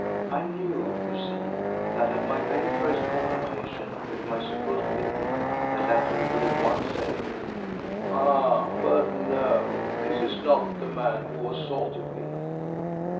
I knew, you see, that at my very first confrontation with my supposed victim the latter would at once say: "Ah! but no! This is not the man who assaulted me."